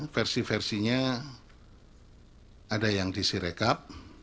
versi versinya ada yang dc recap